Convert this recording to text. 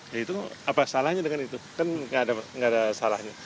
ya itu apa salahnya dengan itu kan nggak ada salahnya